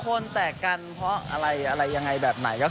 ซึ่งเจ้าตัวก็ยอมรับว่าเออก็คงจะเลี่ยงไม่ได้หรอกที่จะถูกมองว่าจับปลาสองมือ